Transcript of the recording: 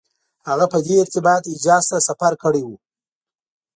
هغه په دې ارتباط حجاز ته سفر کړی و.